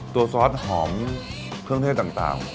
ซอสหอมเครื่องเทศต่าง